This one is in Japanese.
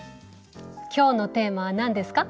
きょうのテーマは何ですか？